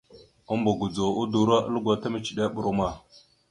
Ambogodzo udoróalgo ta micədere brom a.